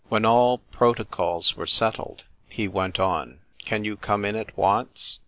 When all protocols were settled he went on, "Can you come in at once ?"